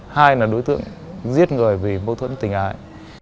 hai là đối tượng giết người vì mâu thuẫn tình ái